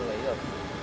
ừ lấy rồi